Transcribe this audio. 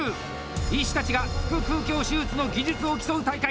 医師たちが腹腔鏡手術の技術を競う大会。